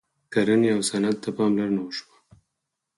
کرنې او صنعت ته پاملرنه وشوه.